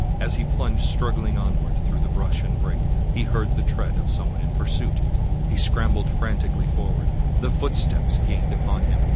As he plunged struggling onward through brush and brake, he heard the tread of some one in pursuit. He scrambled frantically forward. The footsteps gained upon him.